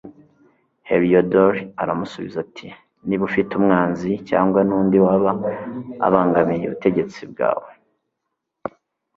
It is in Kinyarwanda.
heliyodori aramusubiza ati niba ufite umwanzi cyangwa n'undi waba abangamiye ubutegetsi bwawe